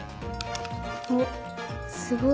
おっすごっ。